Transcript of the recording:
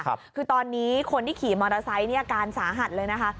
คือตอนนี้คนที่ขี่มอเตอร์ไซค์เนี่ยอาการสาหัสเลยนะคะ